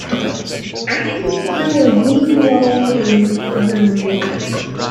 Actors play a big role in "The Movies".